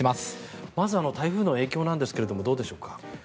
まず台風の影響なんですがどうでしょうか。